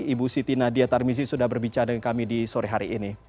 ibu siti nadia tarmizi sudah berbicara dengan kami di sore hari ini